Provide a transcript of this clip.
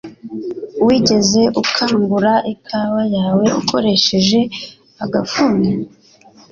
Wigeze ukangura ikawa yawe ukoresheje agafuni?